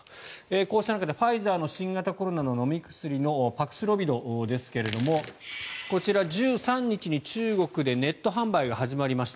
こうした中で、ファイザーの新型コロナの飲み薬のパクスロビドですがこちら、１３日に中国でネット販売が始まりました。